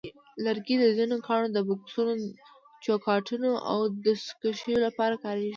لرګي د ځینو ګاڼو د بکسونو، چوکاټونو، او دستکشیو لپاره کارېږي.